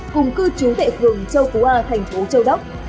cùng cư trú tại phường châu phú a thành phố châu đốc